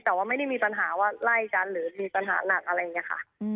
แต่ว่าไม่ได้มีปัญหาว่าไล่กันหรือมีปัญหาหนักอะไรอย่างนี้ค่ะ